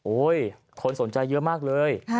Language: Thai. คนสนใจเยอะมากเลย